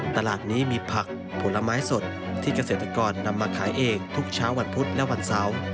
ตลาดนี้มีผักผลไม้สดที่เกษตรกรนำมาขายเองทุกเช้าวันพุธและวันเสาร์